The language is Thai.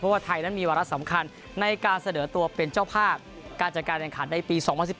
ว่าไทยนั้นมีวาระสำคัญในการเสนอตัวเป็นเจ้าภาพการจัดการแข่งขันในปี๒๐๑๘